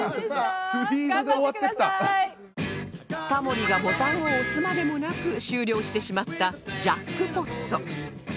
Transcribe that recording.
タモリがボタンを押すまでもなく終了してしまったジャックポット